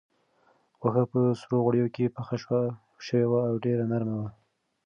غوښه په سرو غوړیو کې پخه شوې وه او ډېره نرمه وه.